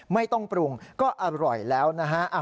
ไม่ต้องปรุงก็อร่อยแล้วนะฮะ